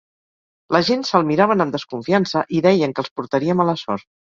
La gent se'l miraven amb desconfiança i deien que els portaria mala sort.